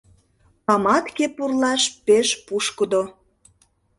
Паматке пурлаш пеш пушкыдо.